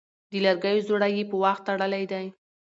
د لرګيو ځوړی يې په واښ تړلی دی